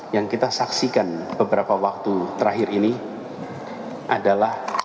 yang kita saksikan beberapa waktu terakhir ini adalah